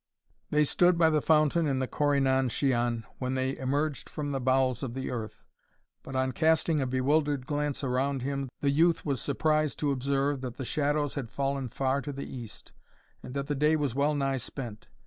They stood by the fountain in the Corri nan shian when they emerged from the bowels of the earth; but on casting a bewildered glance around him, the youth was surprised to observe, that the shadows had fallen far to the east, and that the day was well nigh spent.